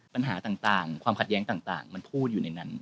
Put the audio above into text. ปัญหาต่างความขัดแย้งต่างมันพูดอยู่ในนั้น